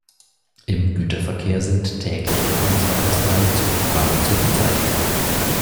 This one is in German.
Im Güterverkehr sind täglich etwa zwei bis drei Zugpaare zu verzeichnen.